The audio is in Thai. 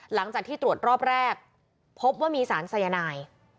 หลังจากที่ตรวจรอบแรกพบว่ามีสารสายนาย